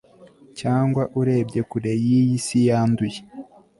cyangwa, urebye kure y'iyi si yanduye